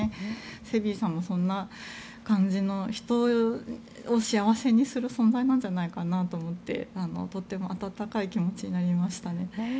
セビーさんもそんな感じの人を幸せにする存在なんじゃないかなと思ってとても温かい気持ちになりました。